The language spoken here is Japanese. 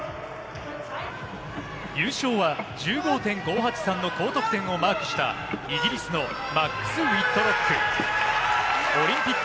優勝は１５．５８３の高得点をマークしたイギリスのマックス・ウィットロック。